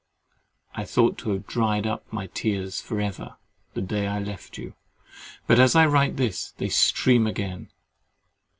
I thought to have dried up my tears for ever, the day I left you; but as I write this, they stream again.